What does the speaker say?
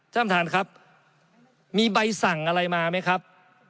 ท่านประธานครับมีใบสั่งอะไรมาไหมครับ